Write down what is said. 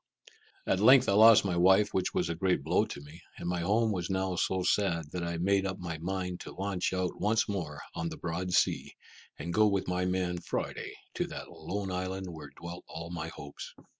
At length I lost my wife, which was a great blow to me, and my home was now so sad, that I made up my mind to launch out once more on the broad sea, and go with my man Friday to that lone isle where dwelt all my hopes.